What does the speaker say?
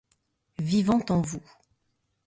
Vivant en vous.